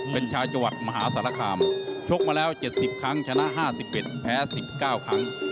เป็นชาวจังหวัดมหาสารคามชกมาแล้ว๗๐ครั้งชนะ๕๑แพ้๑๙ครั้ง